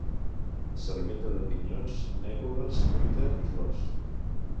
S'alimenta de pinyons, núcules, fruita i flors.